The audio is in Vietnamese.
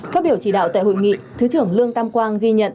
phát biểu chỉ đạo tại hội nghị thứ trưởng lương tam quang ghi nhận